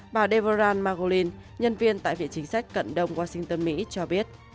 bà devorah margolin nhân viên tại viện chính sách cận đông washington mỹ cho biết